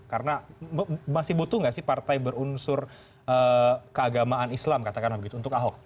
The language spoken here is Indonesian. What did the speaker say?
karena masih butuh nggak sih partai berunsur keagamaan islam katakanlah begitu untuk ahok